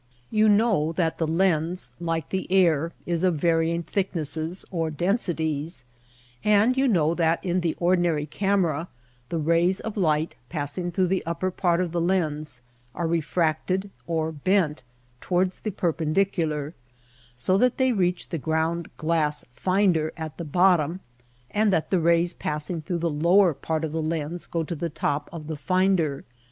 You know that the lens, like the air, is of varying thicknesses or densities, and you know that in the ordinary camera the rays of light, passing through the upper part of the lens, are refracted or bent toward the perpendicular so that they reach the ground glass " finder " at the bottom ; and that the rays passing through the lower part of the lens go to the top of the ^^finder.